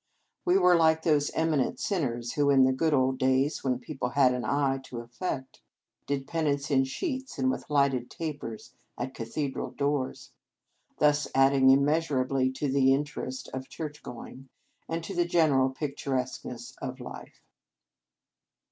We were like those eminent sinners who, in the good old days when people had an eye to effect, 229 In Our Convent Days did penance in sheets and with lighted tapers at cathedral doors, thus add ing immeasurably to the interest of church going, and to the general pic turesqueness of life.